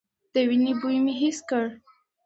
د وينو بوی مې حس کړ.